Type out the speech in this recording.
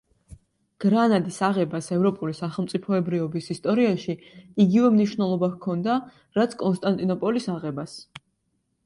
გრანადის აღებას ევროპული სახელმწიფოებრიობის ისტორიაში იგივე მნიშვნელობა ჰქონდა რაც კონსტანტინოპოლის აღებას.